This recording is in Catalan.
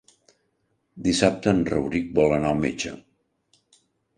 Dissabte en Rauric vol anar al metge.